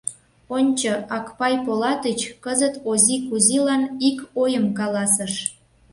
Ончо, Акпай Полатыч кызыт Ози Кузилан ик ойым каласыш.